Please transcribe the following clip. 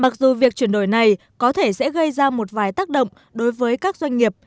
từ việc chuyển đổi này có thể sẽ gây ra một vài tác động đối với các doanh nghiệp